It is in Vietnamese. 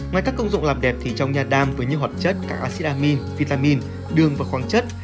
ngoài các công dụng làm đẹp thì trong nha đam với những hoạt chất các acid amine vitamin đường và khoáng chất